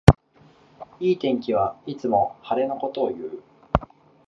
いい天気はいつも晴れのことをいう